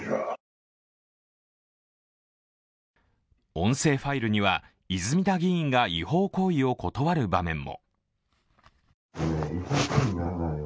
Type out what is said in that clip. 音声ファイルには、泉田議員が違法行為を断る場面も。